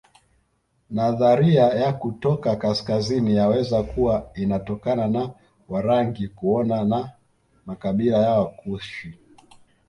Nadharia ya kutoka kaskazini yaweza kuwa inatokana na Warangi kuoana na makabila ya Wakushi